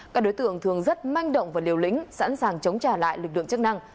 các đối tượng thường rất manh động và liều lĩnh sẵn sàng chống trả lại lực lượng chức năng